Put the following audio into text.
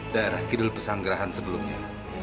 daerah kidul pesanggeran sebelumnya